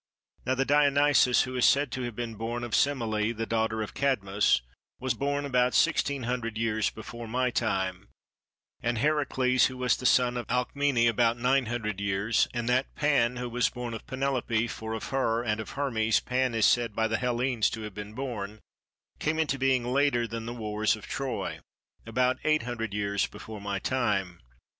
Now the Dionysos who is said to have been born of Semele the daughter of Cadmos, was born about sixteen hundred years before my time, and Heracles who was the son of Alcmene, about nine hundred years, and that Pan who was born of Penelope, for of her and of Hermes Pan is said by the Hellenes to have been born, came into being later than the wars of Troy, about eight hundred years before my time.